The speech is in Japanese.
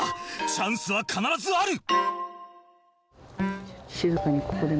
チャンスは必ずある！